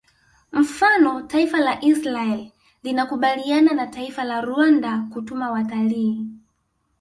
Mfano taifa la Israel linakubaliana na taifa la Rwanda kutuma watalii